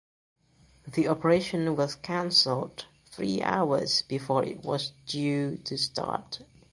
The operation was cancelled three hours before it was due to start.